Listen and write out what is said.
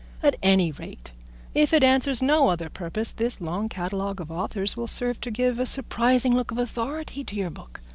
At any rate, if it answers no other purpose, this long catalogue of authors will serve to give a surprising look of authority to your book.